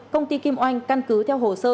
công ty kim oanh căn cứ theo hồ sơ